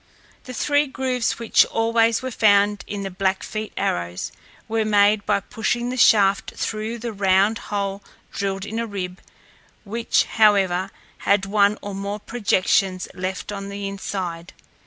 The three grooves which always were found in the Blackfeet arrows were made by pushing the shaft through a round hole drilled in a rib, which, however, had one or more projections left on the inside.